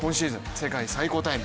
世界最高タイム。